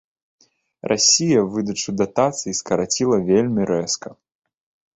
Расія выдачу датацый скараціла вельмі рэзка.